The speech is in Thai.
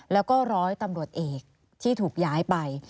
แล้วก็ร้อยตำรวจเอกที่ถูกย้ายไป